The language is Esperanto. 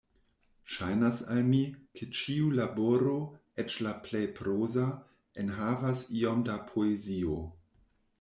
Ŝajnas al mi, ke ĉiu laboro, eĉ la plej proza, enhavas iom da poezio.